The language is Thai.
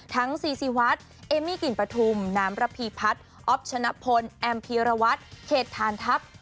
ซีซีวัดเอมมี่กลิ่นปฐุมน้ำระพีพัฒน์อ๊อฟชนะพลแอมพีรวัตรเขตทานทัพ